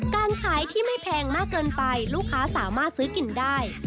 การขายที่ไม่แพงมากเกินไปลูกค้าสามารถซื้อกินได้